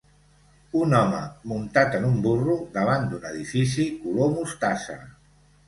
Un home muntat en un burro davant d'un edifici color mostassa.